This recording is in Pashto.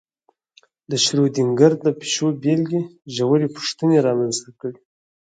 د شرودینګر د پیشو بېلګې ژورې پوښتنې رامنځته کړې.